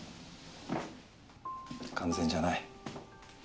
完全じゃない。